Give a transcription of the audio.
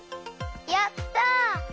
やった！